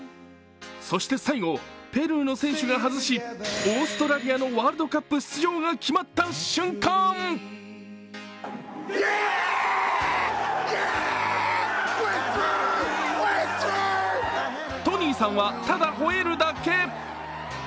そして最後、ペルーの選手が外しオーストラリアのワールドカップ出場が決まった瞬間トニーさんは、ただ吠えるだけ。